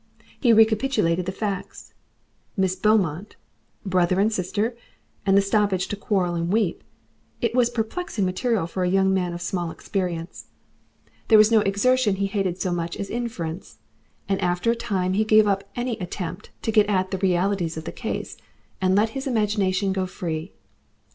He recapitulated the facts. "Miss Beaumont brother and sister and the stoppage to quarrel and weep " it was perplexing material for a young man of small experience. There was no exertion he hated so much as inference, and after a time he gave up any attempt to get at the realities of the case, and let his imagination go free.